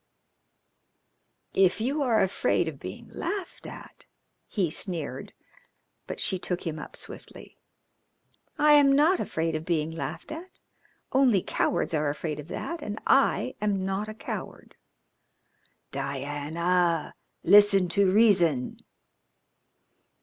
"If you are afraid of being laughed at " he sneered; but she took him up swiftly. "I am not afraid of being laughed at. Only cowards are afraid of that, and I am not a coward." "Diana, listen to reason!"